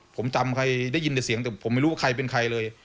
ผมจำใครได้ยินแต่เสียงแต่ผมไม่รู้ว่าใครเป็นใครเลย